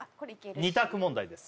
２択問題です